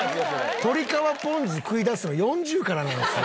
鶏皮ポン酢食いだすの４０からなんですよ。